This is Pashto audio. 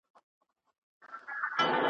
په نیژدې لیري ښارو کي آزمېیلی,